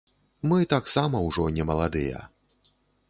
Мы таксама ўжо не маладыя.